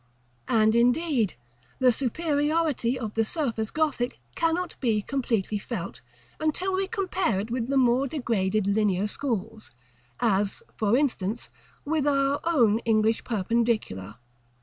And, indeed, the superiority of the Surface Gothic cannot be completely felt, until we compare it with the more degraded Linear schools, as, for instance, with our own English Perpendicular.